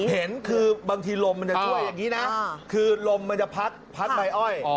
เห็นคือบางทีลมมันจะช่วยอย่างนี้นะคือลมมันจะพัดพัดใบอ้อย